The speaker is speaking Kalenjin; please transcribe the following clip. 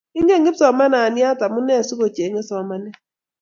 Ingen kipsomananiat amune asikuchenye somanet